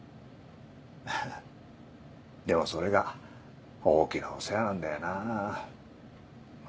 ハハでもそれが大きなお世話なんだよな。